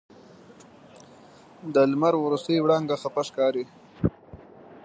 د لمر وروستۍ وړانګه خفه ښکاري